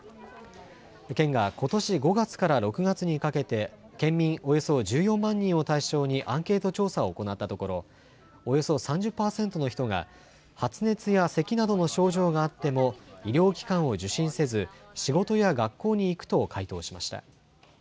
県がことし５月から６月にかけて県民およそ１４万人を対象にアンケート調査を行ったところおよそ３０％の人が発熱やせきなどの症状があっても医療機関を受診せず仕事や学校に行くと回答しました。